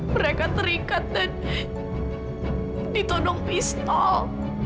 mereka terikat dan ditodong pistol